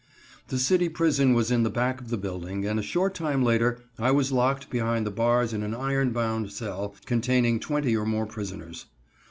The city prison was in the back of the building, and a short time later I was locked behind the bars in an iron bound cell containing twenty or more prisoners.